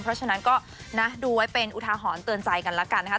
เพราะฉะนั้นก็นะดูไว้เป็นอุทาหรณ์เตือนใจกันแล้วกันนะครับ